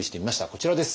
こちらです。